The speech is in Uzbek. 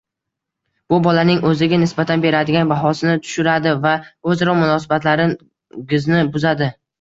Bu bolaning o‘ziga nisbatan beradigan bahosini tushiradi va o‘zaro munosabatlarin-gizni buzadi.